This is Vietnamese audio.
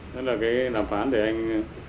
đó là cái đàm phán để anh